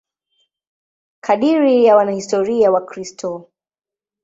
Kadiri ya wanahistoria Wakristo.